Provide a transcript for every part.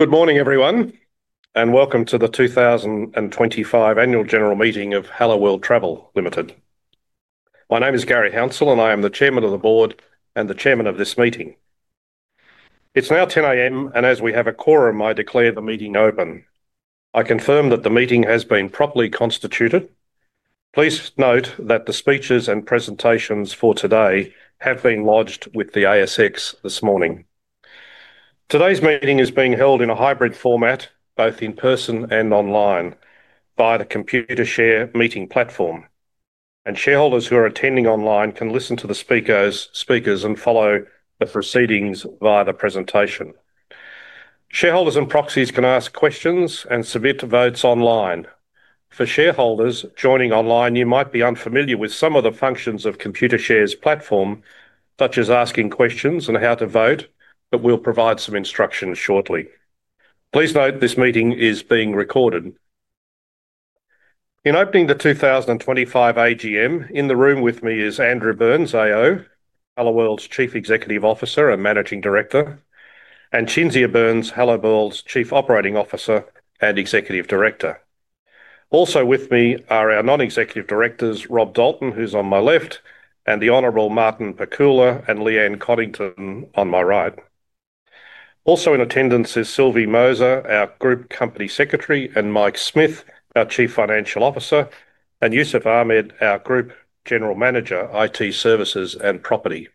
Good morning, everyone, and welcome to the 2025 Annual General Meeting of Helloworld Travel Limited. My name is Garry Hounsell, and I am the Chair of the Board and the Chair of this meeting. It's now 10:00 A.M., and as we have a quorum, I declare the meeting open. I confirm that the meeting has been properly constituted. Please note that the speeches and presentations for today have been lodged with the ASX this morning. Today's meeting is being held in a hybrid format, both in person and online, via the Computershare meeting platform. Shareholders who are attending online can listen to the speakers and follow the proceedings via the presentation. Shareholders and proxies can ask questions and submit votes online. For shareholders joining online, you might be unfamiliar with some of the functions of Computershare's platform, such as asking questions and how to vote, but we'll provide some instructions shortly. Please note this meeting is being recorded. In opening the 2025 AGM, in the room with me is Andrew Burnes, AO, Helloworld Travel Limited's Chief Executive Officer and Managing Director, and Cinzia Burnes, Helloworld Travel Limited's Chief Operating Officer and Executive Director. Also with me are our Non-Executive Directors, Rob Dalton, who's on my left, and the Honorable Martin Pakula and Leanne Coddington on my right. Also in attendance is Sylvie Moser, our Group Company Secretary, and Mike Smith, our Chief Financial Officer, and Yousef Ahmed, our Group General Manager, IT Services and Property.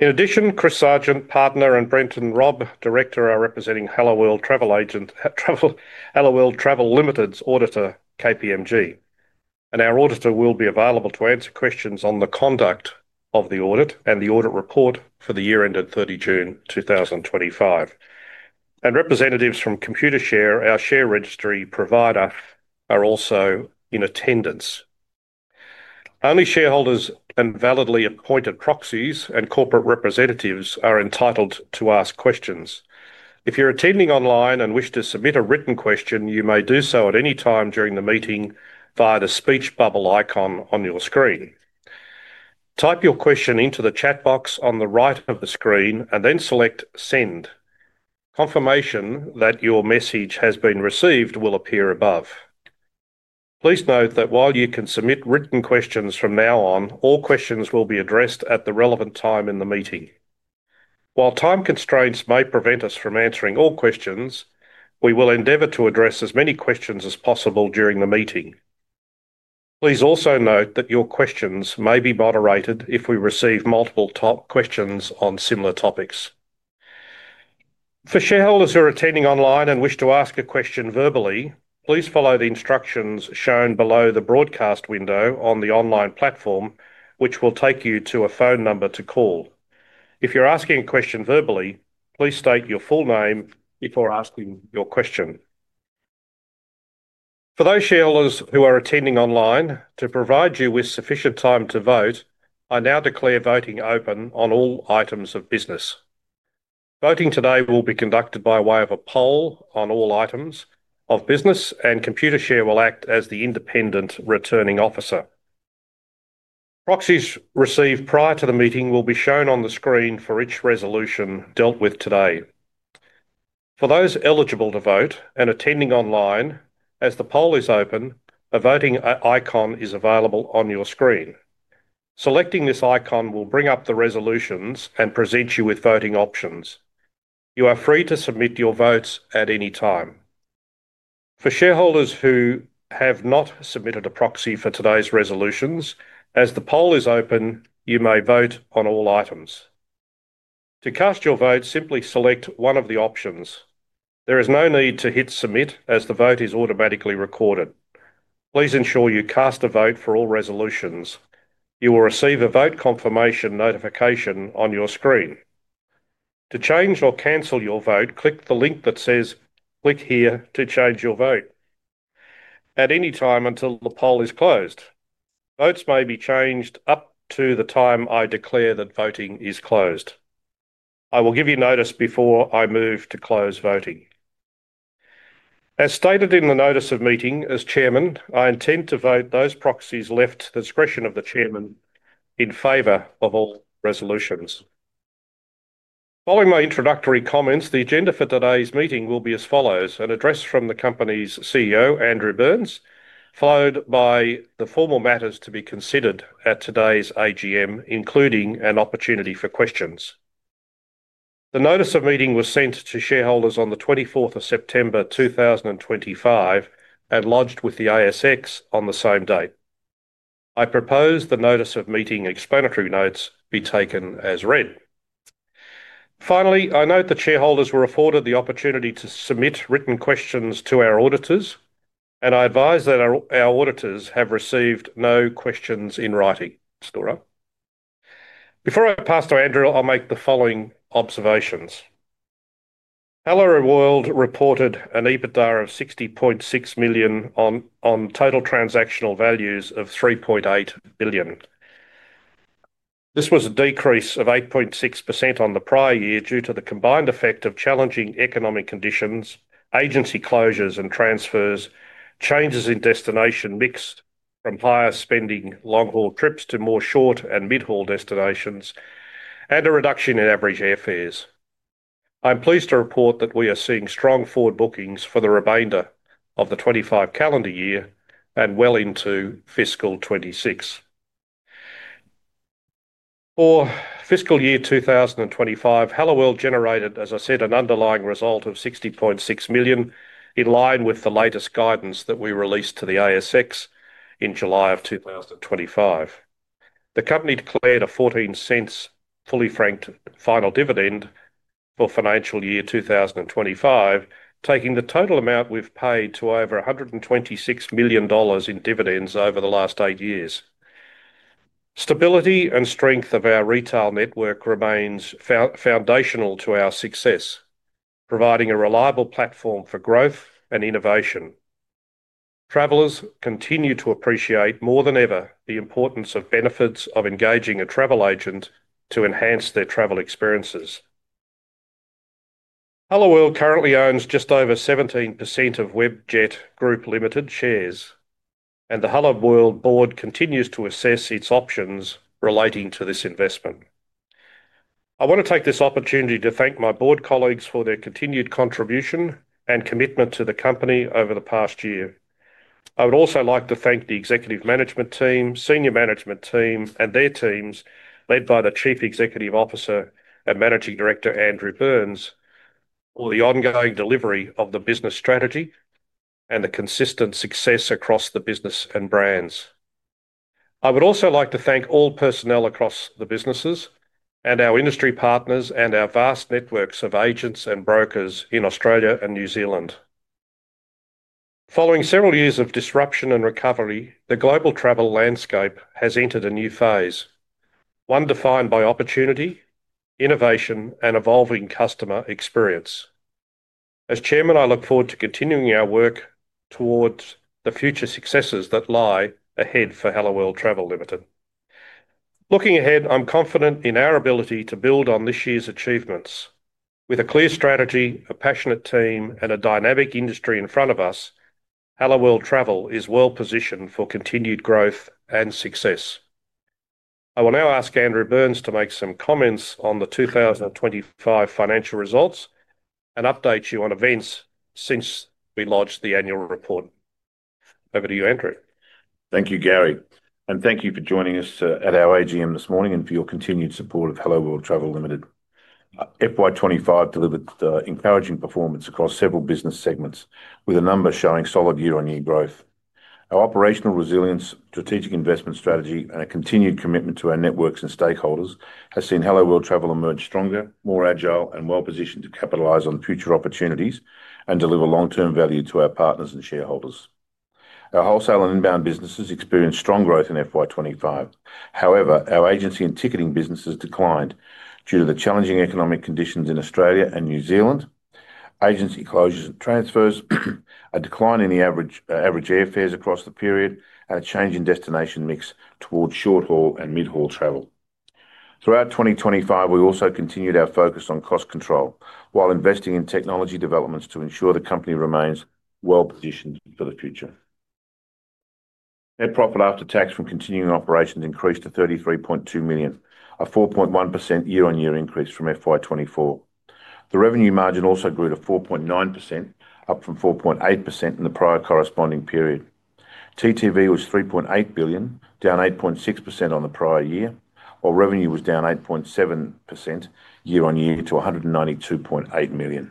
In addition, Chris Sargent, Partner, and Brenton Robb, Director, are representing Helloworld Travel Limited's auditor, KPMG. Our auditor will be available to answer questions on the conduct of the audit and the audit report for the year ended 30 June 2025. Representatives from Computershare, our share registry provider, are also in attendance. Only shareholders and validly appointed proxies and corporate representatives are entitled to ask questions. If you're attending online and wish to submit a written question, you may do so at any time during the meeting via the speech bubble icon on your screen. Type your question into the chat box on the right of the screen and then select Send. Confirmation that your message has been received will appear above. Please note that while you can submit written questions from now on, all questions will be addressed at the relevant time in the meeting. While time constraints may prevent us from answering all questions, we will endeavor to address as many questions as possible during the meeting. Please also note that your questions may be moderated if we receive multiple questions on similar topics. For shareholders who are attending online and wish to ask a question verbally, please follow the instructions shown below the broadcast window on the online platform, which will take you to a phone number to call. If you're asking a question verbally, please state your full name before asking your question. For those shareholders who are attending online, to provide you with sufficient time to vote, I now declare voting open on all items of business. Voting today will be conducted by way of a poll on all items of business, and Computershare will act as the independent returning officer. Proxies received prior to the meeting will be shown on the screen for each resolution dealt with today. For those eligible to vote and attending online, as the poll is open, a voting icon is available on your screen. Selecting this icon will bring up the resolutions and present you with voting options. You are free to submit your votes at any time. For shareholders who have not submitted a proxy for today's resolutions, as the poll is open, you may vote on all items. To cast your vote, simply select one of the options. There is no need to hit submit as the vote is automatically recorded. Please ensure you cast a vote for all resolutions. You will receive a vote confirmation notification on your screen. To change or cancel your vote, click the link that says "Click Here" to change your vote at any time until the poll is closed. Votes may be changed up to the time I declare that voting is closed. I will give you notice before I move to close voting. As stated in the notice of meeting, as Chairman, I intend to vote those proxies left to the discretion of the Chairman in favor of all resolutions. Following my introductory comments, the agenda for today's meeting will be as follows: an address from the company's CEO, Andrew Burnes, followed by the formal matters to be considered at today's AGM, including an opportunity for questions. The notice of meeting was sent to shareholders on the 24th of September 2025 and lodged with the ASX on the same date. I propose the notice of meeting explanatory notes be taken as read. Finally, I note that shareholders were afforded the opportunity to submit written questions to our auditors, and I advise that our auditors have received no questions in writing. Before I pass to Andrew, I'll make the following observations. Helloworld reported an EBITDA of $60.6 million on total transactional values of $3.8 billion. This was a decrease of 8.6% on the prior year due to the combined effect of challenging economic conditions, agency closures and transfers, changes in destination mix from higher spending long-haul trips to more short and mid-haul destinations, and a reduction in average airfares. I'm pleased to report that we are seeing strong forward bookings for the remainder of the 2025 calendar year and well into fiscal 2026. For fiscal year 2025, Helloworld generated, as I said, an underlying result of $60.6 million in line with the latest guidance that we released to the ASX in July of 2025. The company declared a $0.14 fully franked final dividend for financial year 2025, taking the total amount we've paid to over $126 million in dividends over the last eight years. Stability and strength of our retail network remain foundational to our success, providing a reliable platform for growth and innovation. Travelers continue to appreciate more than ever the importance of benefits of engaging a travel agent to enhance their travel experiences. Helloworld currently owns just over 17% of Webjet Group Limited's shares, and the Helloworld Board continues to assess its options relating to this investment. I want to take this opportunity to thank my Board colleagues for their continued contribution and commitment to the company over the past year. I would also like to thank the Executive Management Team, Senior Management Team, and their teams led by the Chief Executive Officer and Managing Director, Andrew Burnes, for the ongoing delivery of the business strategy and the consistent success across the business and brands. I would also like to thank all personnel across the businesses and our industry partners and our vast networks of agents and brokers in Australia and New Zealand. Following several years of disruption and recovery, the global travel landscape has entered a new phase, one defined by opportunity, innovation, and evolving customer experience. As Chairman, I look forward to continuing our work towards the future successes that lie ahead for Helloworld Travel Limited. Looking ahead, I'm confident in our ability to build on this year's achievements. With a clear strategy, a passionate team, and a dynamic industry in front of us, Helloworld Travel is well-positioned for continued growth and success. I will now ask Andrew Burnes to make some comments on the 2025 financial results and update you on events since we lodged the annual report. Over to you, Andrew. Thank you, Garry, and thank you for joining us at our AGM this morning and for your continued support of Helloworld Travel Limited. FY 2025 delivered encouraging performance across several business segments, with a number showing solid year-on-year growth. Our operational resilience, strategic investment strategy, and a continued commitment to our networks and stakeholders have seen Helloworld Travel emerge stronger, more agile, and well-positioned to capitalize on future opportunities and deliver long-term value to our partners and shareholders. Our wholesale and inbound businesses experienced strong growth in FY 2025. However, our agency and ticketing businesses declined due to the challenging economic conditions in Australia and New Zealand, agency closures and transfers, a decline in the average airfares across the period, and a change in destination mix towards short-haul and mid-haul travel. Throughout 2025, we also continued our focus on cost control while investing in technology developments to ensure the company remains well-positioned for the future. Net profit after tax from continuing operations increased to $33.2 million, a 4.1% year-on-year increase from FY 2024. The revenue margin also grew to 4.9%, up from 4.8% in the prior corresponding period. TTV was $3.8 billion, down 8.6% on the prior year, while revenue was down 8.7% year-on-year to $192.8 million.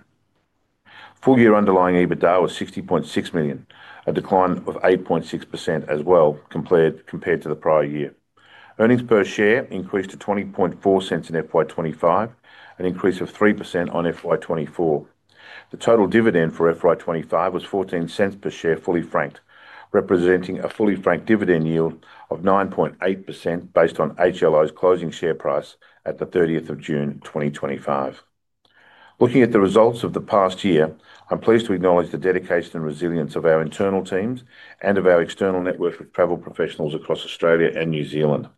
Full-year underlying EBITDA was $60.6 million, a decline of 8.6% as well compared to the prior year. Earnings per share increased to $0.204 in FY 2025, an increase of 3% on FY 2024. The total dividend for FY 2025 was $0.14 per share fully franked, representing a fully franked dividend yield of 9.8% based on HLO's closing share price at June 30, 2025. Looking at the results of the past year, I'm pleased to acknowledge the dedication and resilience of our internal teams and of our external network of travel professionals across Australia and New Zealand.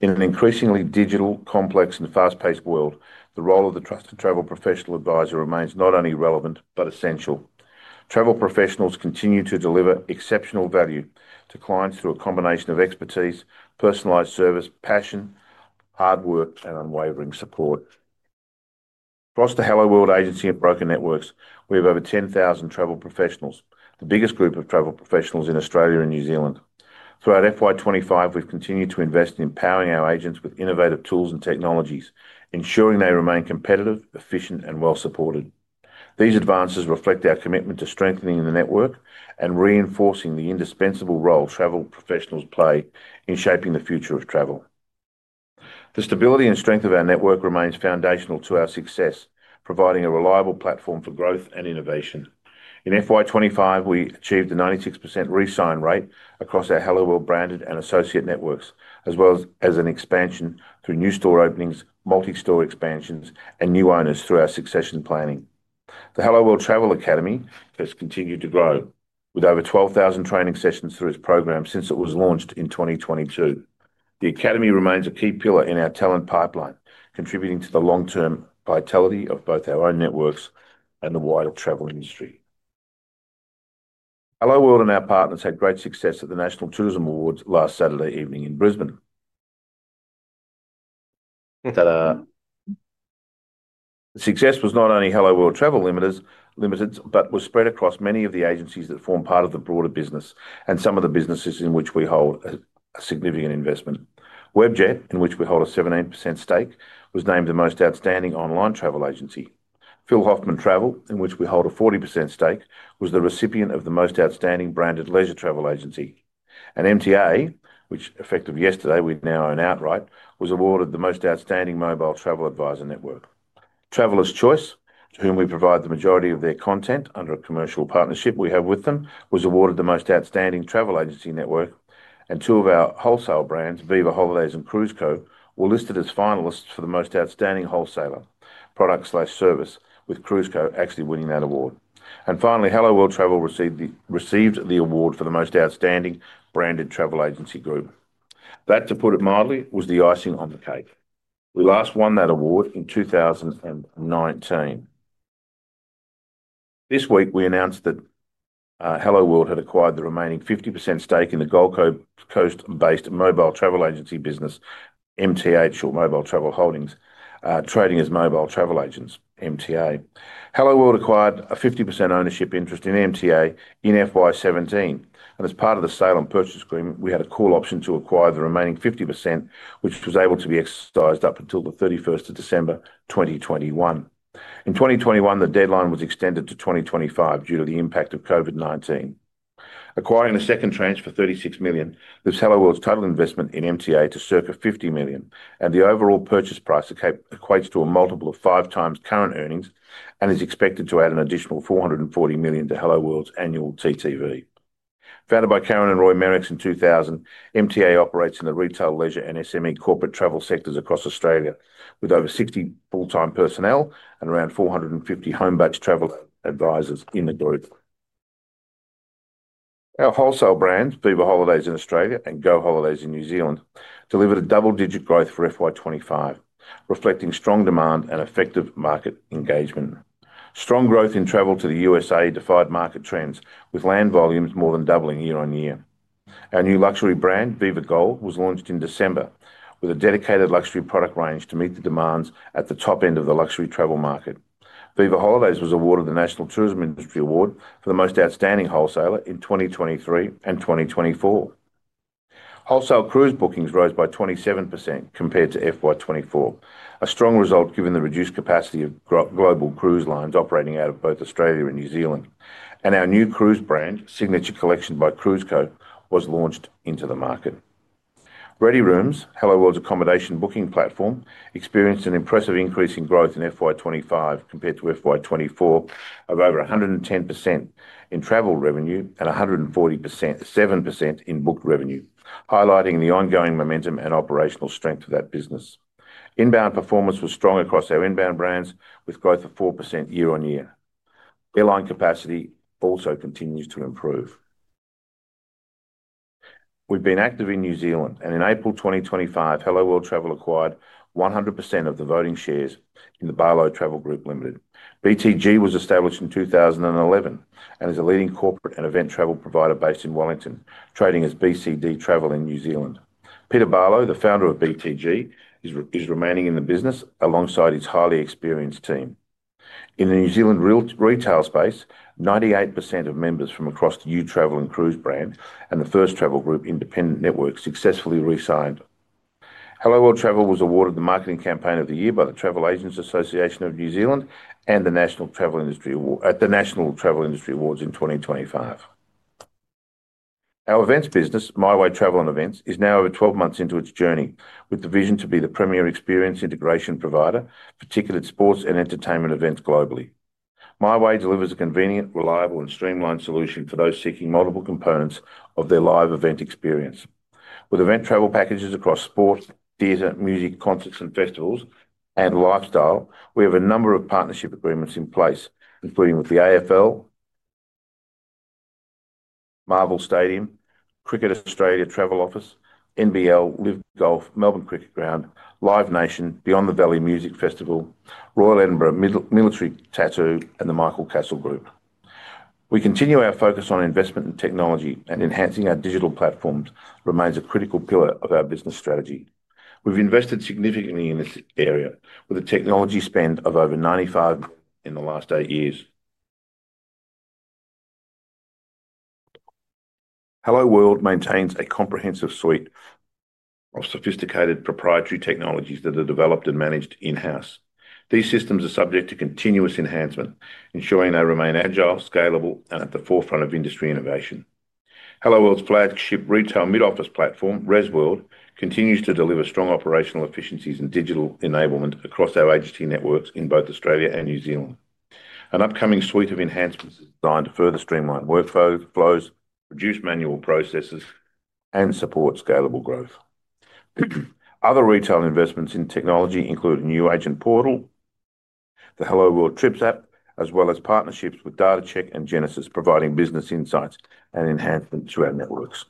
In an increasingly digital, complex, and fast-paced world, the role of the Trusted Travel Professional Advisor remains not only relevant but essential. Travel professionals continue to deliver exceptional value to clients through a combination of expertise, personalized service, passion, hard work, and unwavering support. Across the Helloworld Agency and Broker Networks, we have over 10,000 travel professionals, the biggest group of travel professionals in Australia and New Zealand. Throughout FY 2025, we've continued to invest in empowering our agents with innovative tools and technologies, ensuring they remain competitive, efficient, and well-supported. These advances reflect our commitment to strengthening the network and reinforcing the indispensable role travel professionals play in shaping the future of travel. The stability and strength of our network remain foundational to our success, providing a reliable platform for growth and innovation. In FY 2025, we achieved a 96% re-sign rate across our Helloworld branded and associate networks, as well as an expansion through new store openings, multi-store expansions, and new owners through our succession planning. The Helloworld Travel Academy has continued to grow, with over 12,000 training sessions through its program since it was launched in 2022. The Academy remains a key pillar in our talent pipeline, contributing to the long-term vitality of both our own networks and the wider travel industry. Helloworld and our partners had great success at the National Tourism Awards last Saturday evening in Brisbane. The success was not only Helloworld Travel Limited's, but was spread across many of the agencies that form part of the broader business and some of the businesses in which we hold a significant investment. Webjet Group Limited, in which we hold a 17% stake, was named the most outstanding online travel agency. Phil Hoffmann Travel, in which we hold a 40% stake, was the recipient of the most outstanding branded leisure travel agency. MTA, which effective yesterday we now own outright, was awarded the most outstanding mobile travel advisor network. Travelers Choice, to whom we provide the majority of their content under a commercial partnership we have with them, was awarded the most outstanding travel agency network. Two of our wholesale brands, Viva Holidays and Cruise Co, were listed as finalists for the most outstanding wholesaler product/service, with Cruise Co actually winning that award. Finally, Helloworld Travel received the award for the most outstanding branded travel agency group. That, to put it mildly, was the icing on the cake. We last won that award in 2019. This week, we announced that Helloworld had acquired the remaining 50% stake in the Gold Coast-based mobile travel agency business, MTA, short Mobile Travel Holdings, trading as Mobile Travel Agents, MTA. Helloworld acquired a 50% ownership interest in Mobile Travel Agents (MTA) in FY 2017, and as part of the sale and purchase agreement, we had a call option to acquire the remaining 50%, which was able to be exercised up until December 31, 2021. In 2021, the deadline was extended to 2025 due to the impact of COVID-19. Acquiring a second tranche for $36 million, this brings Helloworld's total investment in MTA to circa $50 million, and the overall purchase price equates to a multiple of five times current earnings and is expected to add an additional $440 million to Helloworld's annual TTV. Founded by Karen and Roy Marrix in 2000, MTA operates in the retail, leisure, and SME corporate travel sectors across Australia, with over 60 full-time personnel and around 450 home-based travel advisors in the group. Our wholesale brands, Viva Holidays in Australia and Go Holidays in New Zealand, delivered double-digit growth for FY 2025, reflecting strong demand and effective market engagement. Strong growth in travel to the USA defied market trends, with land volumes more than doubling year on year. Our new luxury brand, Viva Gold, was launched in December with a dedicated luxury product range to meet the demands at the top end of the luxury travel market. Viva Holidays was awarded the National Tourism Awards for the most outstanding wholesaler in 2023 and 2024. Wholesale cruise bookings rose by 27% compared to FY 2024, a strong result given the reduced capacity of global cruise lines operating out of both Australia and New Zealand. Our new cruise brand, Signature Collection by Cruise Co, was launched into the market. ReadyRooms, Helloworld Travel Limited's accommodation booking platform, experienced an impressive increase in growth in FY 2025 compared to FY 2024 of over 110% in travel revenue and 147% in book revenue, highlighting the ongoing momentum and operational strength of that business. Inbound performance was strong across our inbound brands, with growth of 4% year on year. Airline capacity also continues to improve. We've been active in New Zealand, and in April 2025, Helloworld acquired 100% of the voting shares in the Barlow Travel Group Ltd. BTG was established in 2011 and is a leading corporate and event travel provider based in Wellington, trading as BCD Travel in New Zealand. Peter Barlow, the founder of BTG, is remaining in the business alongside his highly experienced team. In the New Zealand retail space, 98% of members from across the UTravel and Cruise brand and the First Travel Group independent network successfully re-signed. Helloworld Travel was awarded the Marketing Campaign of the Year by the Travel Agents Association of New Zealand and the National Tourism Awards in 2025. Our events business, MyWay Travel and Events, is now over 12 months into its journey with the vision to be the premier experience integration provider for ticketed sports and entertainment events globally. MyWay delivers a convenient, reliable, and streamlined solution for those seeking multiple components of their live event experience. With event travel packages across sports, theater, music, concerts, festivals, and lifestyle, we have a number of partnership agreements in place, including with the AFL, Marvel Stadium, Cricket Australia Travel Office, NBL, Live Golf, Melbourne Cricket Ground, Live Nation, Beyond the Valley Music Festival, Royal Edinburgh Military Tattoo, and the Michael Castle Group. We continue our focus on investment in technology, and enhancing our digital platforms remains a critical pillar of our business strategy. We've invested significantly in this area with a technology spend of over $95 million in the last eight years. Helloworld Travel maintains a comprehensive suite of sophisticated proprietary technologies that are developed and managed in-house. These systems are subject to continuous enhancement, ensuring they remain agile, scalable, and at the forefront of industry innovation. Helloworld Travel's flagship retail mid-office platform, ResWorld, continues to deliver strong operational efficiencies and digital enablement across our agency networks in both Australia and New Zealand. An upcoming suite of enhancements is designed to further streamline workflows, reduce manual processes, and support scalable growth. Other retail investments in technology include a new agent portal, the Helloworld Trips app, as well as partnerships with DataCheck and Genesys, providing business insights and enhancements to our networks.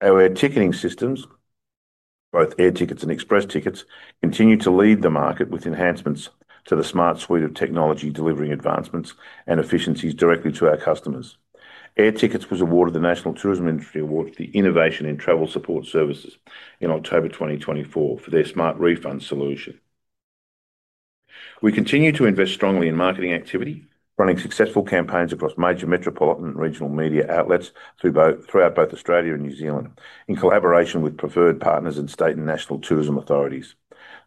Our air ticketing systems, both Air Tickets and Express Tickets, continue to lead the market with enhancements to the smart suite of technology delivering advancements and efficiencies directly to our customers. Air Tickets was awarded the National Tourism Awards for Innovation in Travel Support Services in October 2024 for their smart refund solution. We continue to invest strongly in marketing activity, running successful campaigns across major metropolitan and regional media outlets throughout both Australia and New Zealand, in collaboration with preferred partners and state and national tourism authorities.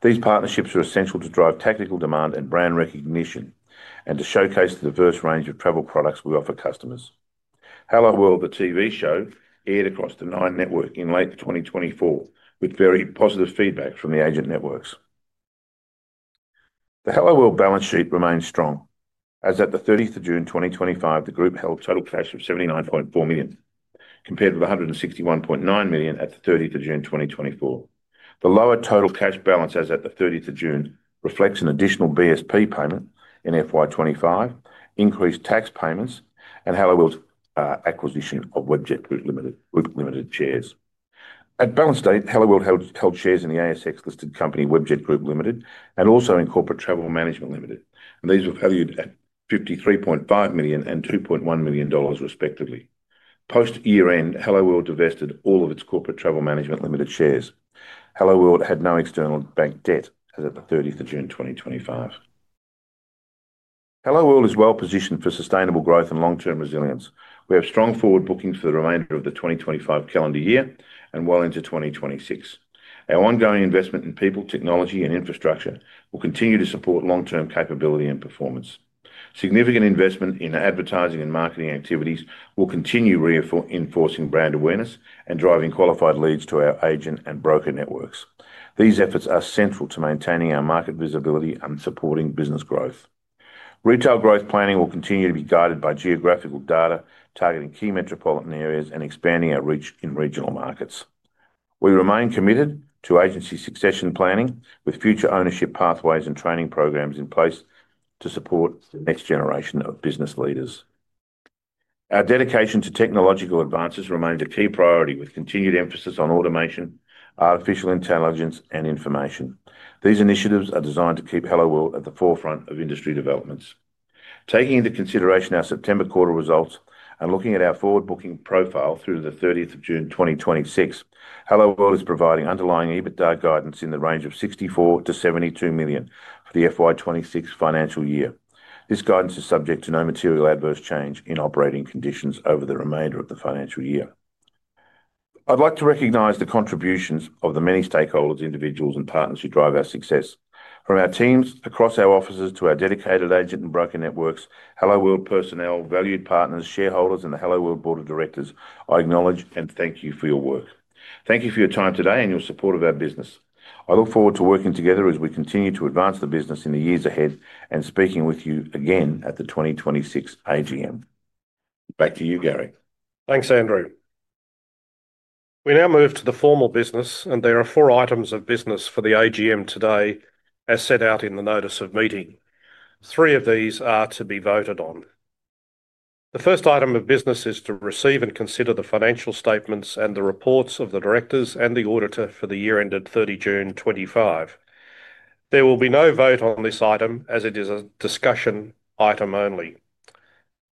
These partnerships are essential to drive tactical demand and brand recognition and to showcase the diverse range of travel products we offer customers. Helloworld, the TV show, aired across the Nine networks in late 2024 with very positive feedback from the agent networks. The Helloworld balance sheet remains strong. As at June 30, 2025, the group held total cash of $79.4 million, compared with $161.9 million at June 30, 2024. The lower total cash balance as at June 30 reflects an additional BSP payment in FY 2025, increased tax payments, and Helloworld's acquisition of Webjet Group Limited's shares. At balance date, Helloworld held shares in the ASX-listed company Webjet Group Limited and also in Corporate Travel Management Ltd, and these were valued at $53.5 million and $2.1 million respectively. Post-year end, Helloworld divested all of its Corporate Travel Management Ltd shares. Helloworld had no external bank debt as of 30 June 2025. Helloworld is well-positioned for sustainable growth and long-term resilience. We have strong forward bookings for the remainder of the 2025 calendar year and well into 2026. Our ongoing investment in people, technology, and infrastructure will continue to support long-term capability and performance. Significant investment in advertising and marketing activities will continue reinforcing brand awareness and driving qualified leads to our agent and broker networks. These efforts are central to maintaining our market visibility and supporting business growth. Retail growth planning will continue to be guided by geographical data targeting key metropolitan areas and expanding our reach in regional markets. We remain committed to agency succession planning with future ownership pathways and training programs in place to support the next generation of business leaders. Our dedication to technological advances remains a key priority with continued emphasis on automation, artificial intelligence, and information. These initiatives are designed to keep Helloworld at the forefront of industry developments. Taking into consideration our September quarter results and looking at our forward booking profile through to June 30, 2026, Helloworld is providing underlying EBITDA guidance in the range of $64 million-$72 million for the FY 2026 financial year. This guidance is subject to no material adverse change in operating conditions over the remainder of the financial year. I'd like to recognize the contributions of the many stakeholders, individuals, and partners who drive our success. From our teams across our offices to our dedicated agent and broker networks, Helloworld personnel, valued partners, shareholders, and the Helloworld Board of Directors, I acknowledge and thank you for your work. Thank you for your time today and your support of our business. I look forward to working together as we continue to advance the business in the years ahead and speaking with you again at the 2026 AGM. Back to you, Garry. Thanks, Andrew. We now move to the formal business, and there are four items of business for the AGM today, as set out in the notice of meeting. Three of these are to be voted on. The first item of business is to receive and consider the financial statements and the reports of the directors and the auditor for the year ended 30 June 2025. There will be no vote on this item as it is a discussion item only.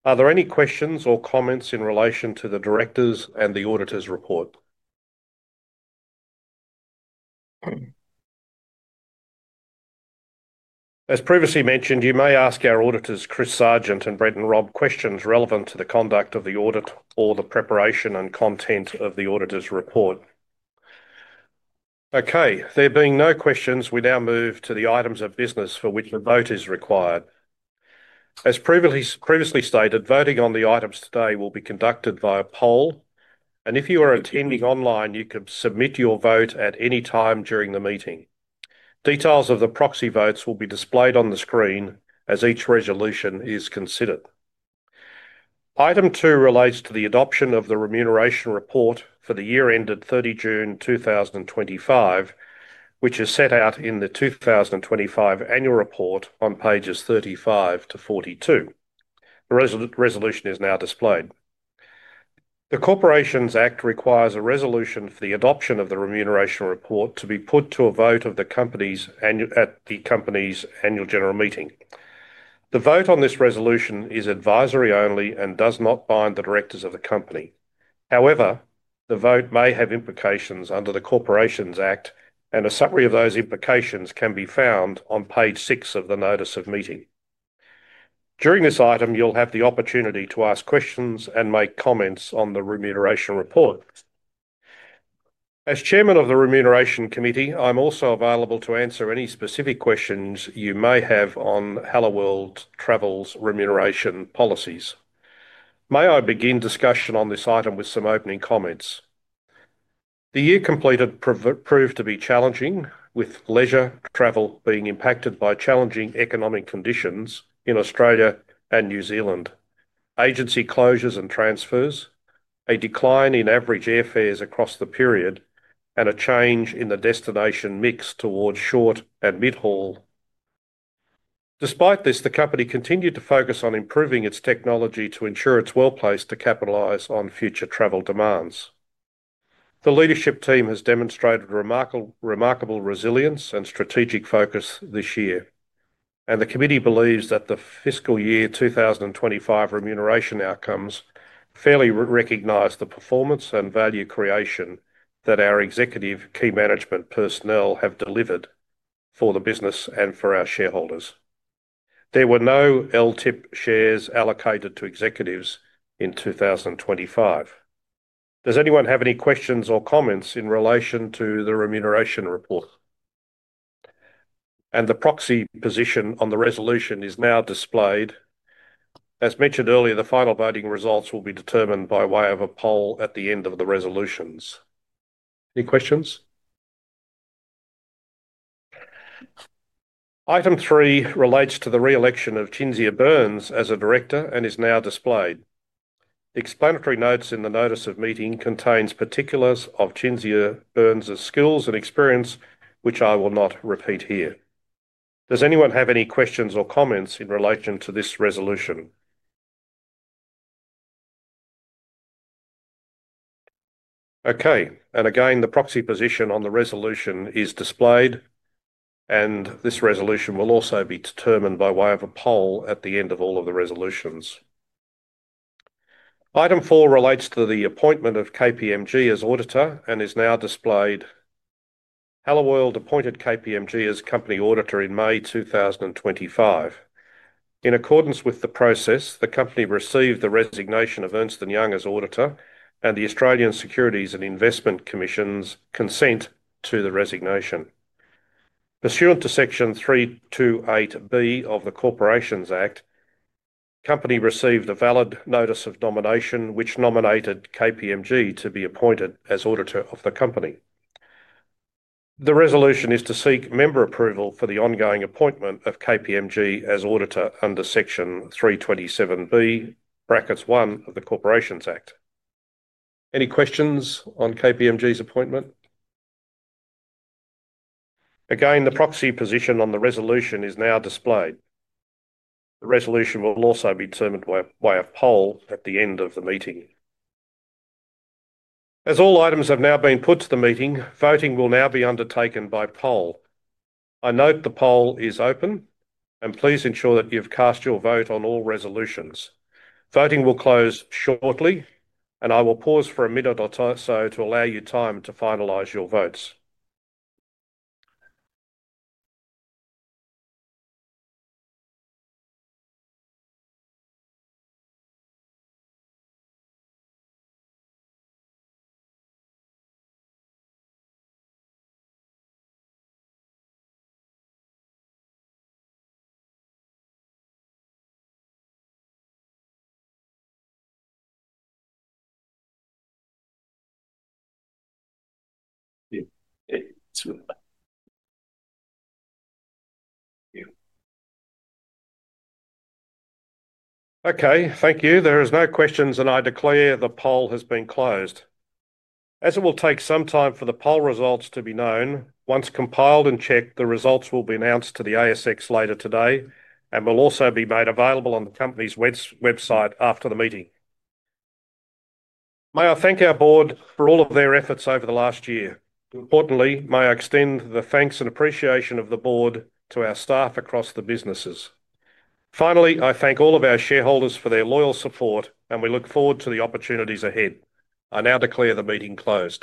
Are there any questions or comments in relation to the directors' and the auditor's report? As previously mentioned, you may ask our auditors, Chris Sargent and Brenton Robb, questions relevant to the conduct of the audit or the preparation and content of the auditor's report. Okay, there being no questions, we now move to the items of business for which a vote is required. As previously stated, voting on the items today will be conducted via poll, and if you are attending online, you can submit your vote at any time during the meeting. Details of the proxy votes will be displayed on the screen as each resolution is considered. Item two relates to the adoption of the remuneration report for the year ended 30 June 2025, which is set out in the 2025 annual report on pages 35 to 42. The resolution is now displayed. The Corporations Act requires a resolution for the adoption of the remuneration report to be put to a vote at the company's annual general meeting. The vote on this resolution is advisory only and does not bind the directors of the company. However, the vote may have implications under the Corporations Act, and a summary of those implications can be found on page six of the notice of meeting. During this item, you'll have the opportunity to ask questions and make comments on the remuneration report. As Chairman of the Remuneration Committee, I'm also available to answer any specific questions you may have on Helloworld Travel Limited's remuneration policies. May I begin discussion on this item with some opening comments? The year completed proved to be challenging, with leisure travel being impacted by challenging economic conditions in Australia and New Zealand, agency closures and transfers, a decline in average airfares across the period, and a change in the destination mix towards short and mid-haul. Despite this, the company continued to focus on improving its technology to ensure it's well-placed to capitalize on future travel demands. The leadership team has demonstrated remarkable resilience and strategic focus this year, and the committee believes that the fiscal year 2025 remuneration outcomes fairly recognize the performance and value creation that our executive key management personnel have delivered for the business and for our shareholders. There were no LTIP shares allocated to executives in 2025. Does anyone have any questions or comments in relation to the remuneration report? The proxy position on the resolution is now displayed. As mentioned earlier, the final voting results will be determined by way of a poll at the end of the resolutions. Any questions? Item three relates to the re-election of Cinzia Burnes as a director and is now displayed. Explanatory notes in the notice of meeting contain particulars of Cinzia Burnes's skills and experience, which I will not repeat here. Does anyone have any questions or comments in relation to this resolution? The proxy position on the resolution is displayed, and this resolution will also be determined by way of a poll at the end of all of the resolutions. Item four relates to the appointment of KPMG as auditor and is now displayed. Helloworld Travel Limited appointed KPMG as company auditor in May 2025. In accordance with the process, the company received the resignation of Ernst & Young as auditor and the Australian Securities and Investments Commission's consent to the resignation. Pursuant to section 328B of the Corporations Act, the company received a valid notice of nomination which nominated KPMG to be appointed as auditor of the company. The resolution is to seek member approval for the ongoing appointment of KPMG as auditor under section 327B(1) of the Corporations Act. Any questions on KPMG's appointment? The proxy position on the resolution is now displayed. The resolution will also be determined by a poll at the end of the meeting. As all items have now been put to the meeting, voting will now be undertaken by poll. I note the poll is open, and please ensure that you've cast your vote on all resolutions. Voting will close shortly, and I will pause for a minute or so to allow you time to finalize your votes. Thank you. There are no questions, and I declare the poll has been closed. As it will take some time for the poll results to be known, once compiled and checked, the results will be announced to the ASX later today and will also be made available on the company's website after the meeting. May I thank our board for all of their efforts over the last year. Importantly, may I extend the thanks and appreciation of the board to our staff across the businesses. Finally, I thank all of our shareholders for their loyal support, and we look forward to the opportunities ahead. I now declare the meeting closed.